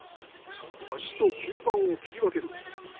足と吸盤を切り分ける。